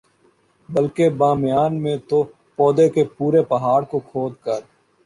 بلکہ بامیان میں تو پورے کے پورے پہاڑ کو کھود کر